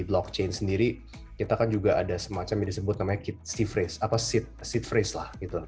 di blockchain sendiri kita kan juga ada semacam yang disebut namanya seed phrase lah gitu